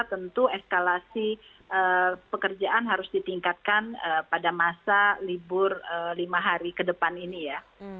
tentu eskalasi pekerjaan harus ditingkatkan pada masa libur lima hari ke depan ini ya